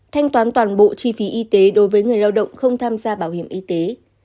thanh toán toàn bộ chi phí y tế đối với người lao động không tham gia bảo hiểm y tế